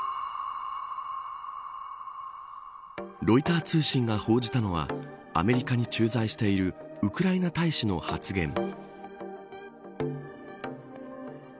ロイター通信が報じたのはアメリカに駐在しているウクライナ大使の発言。